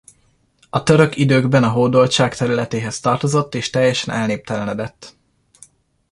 A török időkben a hódoltság területéhez tartozott és teljesen elnéptelenedett.